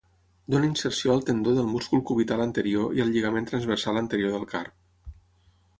Dóna inserció al tendó del múscul cubital anterior i al lligament transversal anterior del carp.